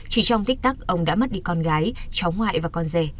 chỉ trong tích tắc ông đã mất đi con gái cháu ngoại và con rể